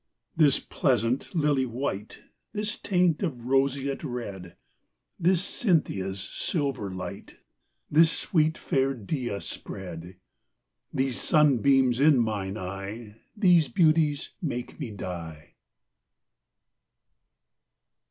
This pleasant lily white, This taint of roseate red, This Cynthia's silver light, This sweet fair Dea spread, These sunbeams in mine eye, These beauties, make me die!